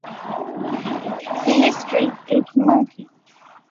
Its history is murky.